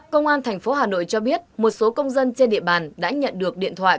cơ quan tp hà nội cho biết một số công dân trên địa bàn đã nhận được điện thoại